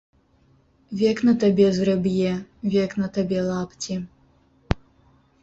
Век на табе зрэб'е, век на табе лапці.